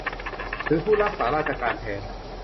หรือผู้รักษาราชการแทน